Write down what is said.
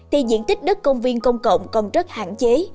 thì diện tích đất công viên công cộng còn rất hạn chế